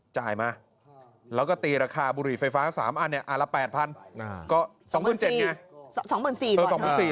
เค้าก็บอกว่าตอนนี้ไม่มีพิสสาไปมีบุหรี่ไฟฟ้าก็ต้องกลับไปช่องสิงคโปรต